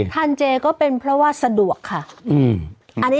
ทานเจก็เป็นเพราะว่าสะดวกค่ะ